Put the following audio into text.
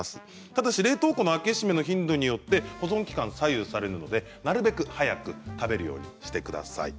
ただし、冷凍庫の開け閉めの頻度によって保存期間は左右されますのでなるべく早く食べるようにしてください。